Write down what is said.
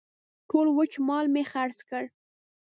ټول وچ مال مې خرڅ کړ.